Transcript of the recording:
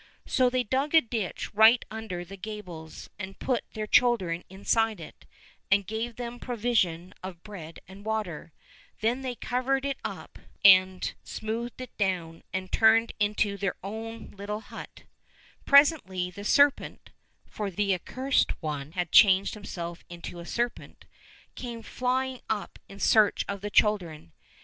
So they dug a ditch right under the gables, and put their children inside it, and gave them provision of bread and water. Then they covered it up and 59 COSSACK FAIRY TALES smoothed it down, and turned into their own Uttle hut. Presently the serpent (for the Accursed One had changed himself into a serpent) came flying up in search of the children.